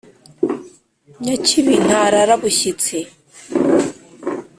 Nyakibi ntarara bushyitsi